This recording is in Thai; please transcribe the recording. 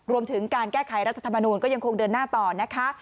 รวมถึงการแก้ไขรัฐธรรมนูลก็ยังคงเดินหน้าต่อนะคะ